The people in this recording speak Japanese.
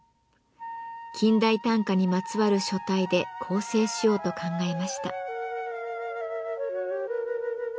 近代短歌にまつわる書体で構成しようと考えました。